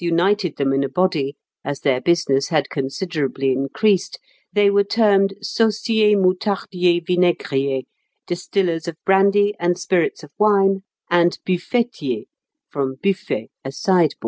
united them in a body, as their business had considerably increased, they were termed sauciers moutardiers vinaigriers, distillers of brandy and spirits of wine, and buffetiers (from buffet, a sideboard).